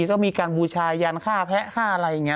ก็มีการบูชายันฆ่าแพะฆ่าอะไรอย่างนี้